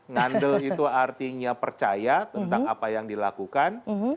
ngandel itu artinya percaya tentang apa yang dilakukan